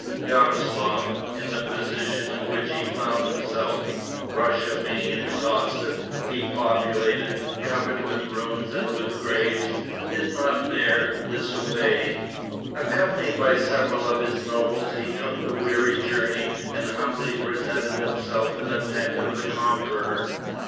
Yaroslaf, in the position in which he found himself Russia being exhausted, depopulated, covered with ruins and with graves did not dare disobey. Accompanied by several of his nobles, he took the weary journey, and humbly presented himself in the tent of the conqueror.